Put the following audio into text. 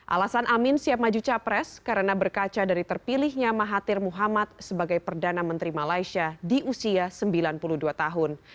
alasan amin siap maju capres karena berkaca dari terpilihnya mahathir muhammad sebagai perdana menteri malaysia di usia sembilan puluh dua tahun